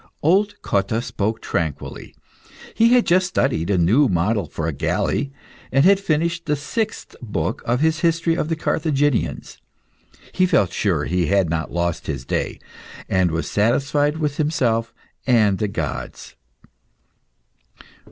Old Cotta spoke tranquilly. He had just studied a new model for a galley, and had finished the sixth book of his history of the Carthaginians. He felt sure he had not lost his day, and was satisfied with himself and the gods.